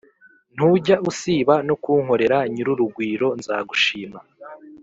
Ntujya usiba no kunkoreraNyir’urugwiro nzagushima